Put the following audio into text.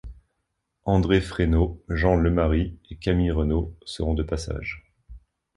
André Frénaud, Jean Leymarie, et Camille Renault seront de passage.